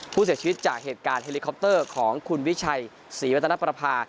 ผู้เสียชีวิตจากเหตุการณ์เฮลิคอปเตอร์ของคุณวิชัยศรีวัตนประภา